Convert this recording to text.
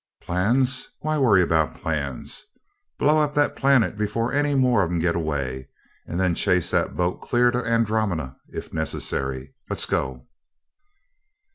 "Plans! Why worry about plans? Blow up that planet before any more of 'em get away, and then chase that boat clear to Andromeda, if necessary. Let's go!"